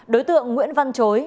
đối tượng nguyễn văn chối